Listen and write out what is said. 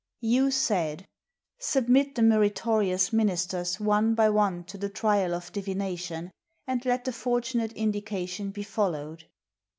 Yu said, " Submit the meritorious ministers one by one to the trial of divination, and let the fortunate indi cation be followed."